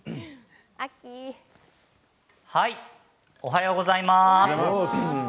おはようございます。